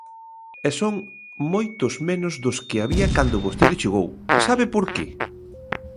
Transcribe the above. E son moitos menos dos que había cando vostede chegou, ¿sabe por que?